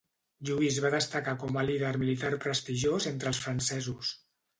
Lluís va destacar com a líder militar prestigiós entre els francesos.